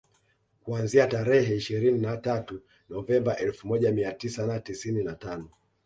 Kuanzia tarehe ishirini na tatu Novemba elfu moja Mia tisa na tisini na tano